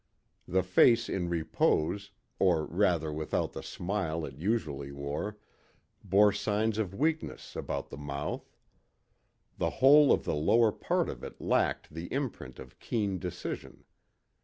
The face in repose, or rather without the smile it usually wore, bore signs of weakness about the mouth. The whole of the lower part of it lacked the imprint of keen decision.